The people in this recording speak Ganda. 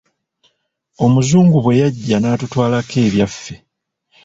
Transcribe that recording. Omuzungu bwe yajja n'atutwalako ebyaffe.